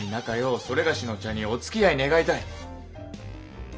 某の茶におつきあい願いたい。